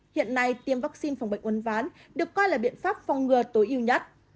hiện nay tiêm vaccine phòng bệnh uốn ván được coi là biện pháp phòng ngừa tối ưu nhất